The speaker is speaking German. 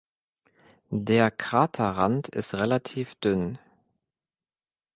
Der Kraterrand ist relativ dünn.